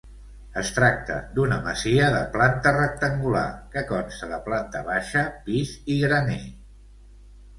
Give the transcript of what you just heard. Es tracta d'una masia de planta rectangular que consta de planta baixa, pis i graner.